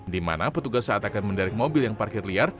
di mana petugas saat akan mendarik mobil yang parkir liar